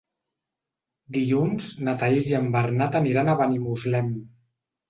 Dilluns na Thaís i en Bernat aniran a Benimuslem.